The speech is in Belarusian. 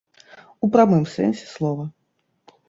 У прамым сэнсе слова.